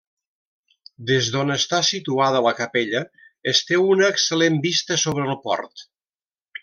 Des d'on està situada la capella es té una excel·lent vista sobre el port.